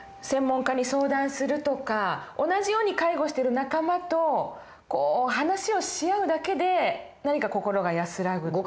専門家に相談するとか同じように介護してる仲間と話をし合うだけで何か心が安らぐ。